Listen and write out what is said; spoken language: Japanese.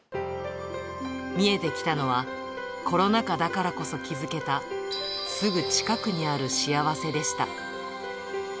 見えてきたのは、コロナ禍だからこそ気付けた、すぐ近くにある幸せでした。